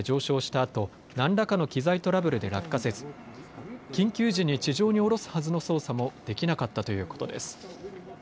あとなんらかの機材トラブルで落下せず緊急時に地上に降ろすはずの操作もできなかったということです。